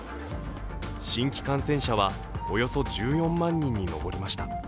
新規感染者はおよそ１４万人に上りました。